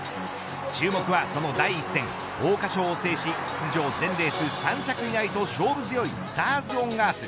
注目はその第１戦桜花賞を制し出場全レース３着以内と勝負強いスターズオンアース。